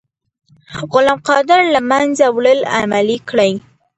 غلام قادر له منځه وړل عملي کړئ.